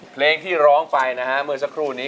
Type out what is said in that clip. เพลงที่ร้องไปนะฮะเมื่อสักครู่นี้